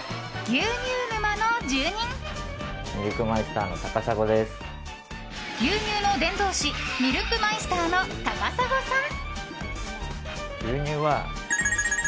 牛乳の伝道師ミルクマイスターの高砂さん。